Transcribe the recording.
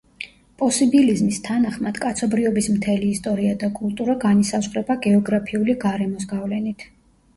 პოსიბილიზმის თანახმად, კაცობრიობის მთელი ისტორია და კულტურა განისაზღვრება გეოგრაფიული გარემოს გავლენით.